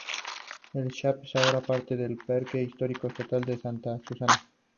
El Spahn es ahora parte del Parque Histórico Estatal de Santa Susana.